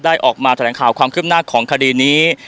ออกมาแถลงข่าวความคืบหน้าของคดีนี้